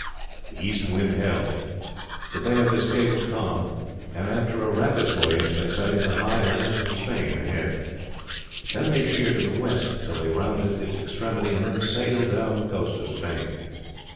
The east wind held, the Bay of Biscay was calm, and after a rapid voyage they sighted the high lands of Spain ahead. Then they sheered to the west till they rounded its extremity and then sailed down the coast of Spain.